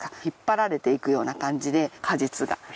引っ張られていくような感じで果実が。